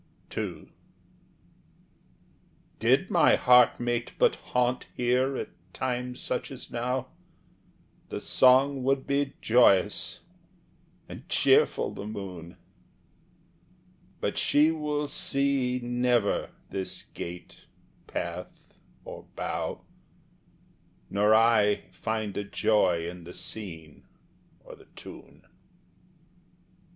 II Did my Heartmate but haunt here at times such as now, The song would be joyous and cheerful the moon; But she will see never this gate, path, or bough, Nor I find a joy in the scene or the tune.